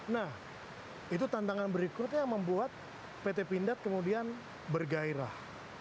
nah itu tantangan berikutnya yang membuat pt pindad kemudian bergairah